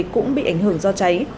cũng bị ảnh hưởng do cháy